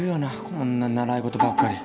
こんな習い事ばっかり。